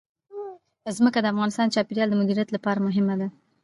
ځمکه د افغانستان د چاپیریال د مدیریت لپاره مهم دي.